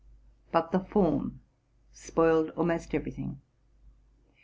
But the form spoiled almost every thing.